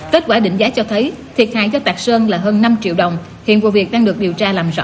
kết quả định giá cho thấy thiệt hại cho tạc sơn là hơn năm triệu đồng hiện vụ việc đang được điều tra làm rõ